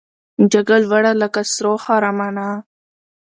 جګه لوړه لکه سرو خرامانه